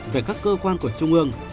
về các cơ quan của trung ương